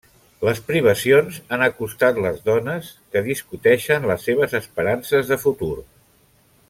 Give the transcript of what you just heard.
Les privacions han acostat les dones, que discuteixen les seves esperances de futur.